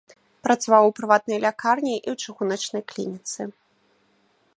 Працаваў у прыватнай лякарні і ў чыгуначнай клініцы.